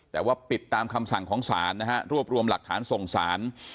แต่ว่าปิดตามคำสั่งของศาลนะฮะรวบรวมหลักฐานส่งสาร